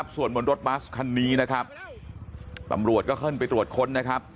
ส่วนบนรถบัสคันนี้ตำรวจก็เข้นไปตรวจค้น